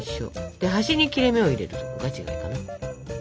で端に切れ目を入れるとこが違いかな。